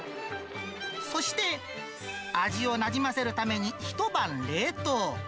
そして、味をなじませるために一晩冷凍。